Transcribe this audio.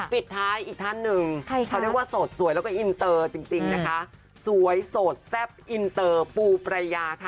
ปิดท้ายอีกท่านหนึ่งเขาเรียกว่าโสดสวยแล้วก็อินเตอร์จริงนะคะสวยโสดแซ่บอินเตอร์ปูปรายาค่ะ